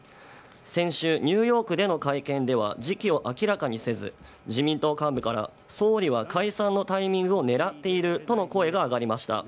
先週、ニューヨークでの会見では、時期を明らかにせず、自民党幹部から総理は解散のタイミングを狙っているとの声が上がりました。